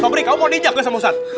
sobri kamu mau injek nggak sama bosan